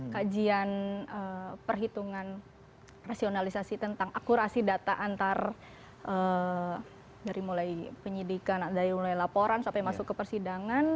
kajian perhitungan rasionalisasi tentang akurasi data antar dari mulai penyidikan dari mulai laporan sampai masuk ke persidangan